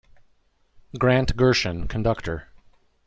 Grant Gershon, conductor.